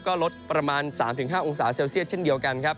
ก็ลดประมาณ๓๕องศาเซลเซียสเช่นเดียวกันครับ